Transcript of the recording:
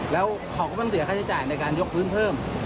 แล้วเขาก็ต้องเสียค่าใช้จ่ายในการยกพื้นเพิ่ม